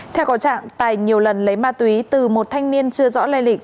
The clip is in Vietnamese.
theo có trạng tài nhiều lần lấy ma túy từ một thanh niên chưa rõ lây lịch